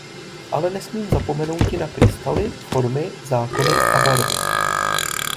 Ale nesmím zapomenouti na krystaly, formy, zákony a barvy.